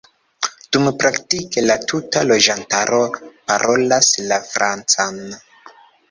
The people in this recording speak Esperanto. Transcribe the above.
Dume, praktike la tuta loĝantaro parolas la Francan.